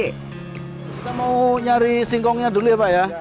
kita mau nyari singkongnya dulu ya pak ya